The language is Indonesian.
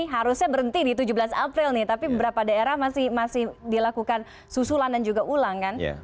harusnya berhenti di tujuh belas april nih tapi beberapa daerah masih dilakukan susulan dan juga ulang kan